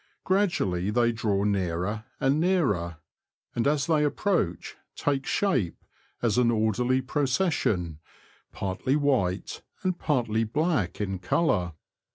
Gradually they draw nearer and nearer, and as they approach take shape as an orderly procession, partly white and partly black in colour.